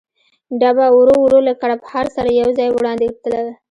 ډبه ورو ورو له کړپهار سره یو ځای وړاندې تلل.